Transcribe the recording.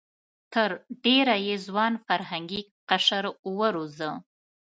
تر ډېره یې ځوان فرهنګي قشر وروزه.